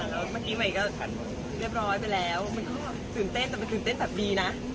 แล้วเมื่อกี๊ไว้ก็เรียบร้อยไปแล้วมันก็สนเต้นมันสนเต้นแบบดีนะ